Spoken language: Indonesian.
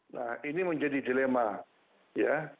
nah ini menjadi dilema ya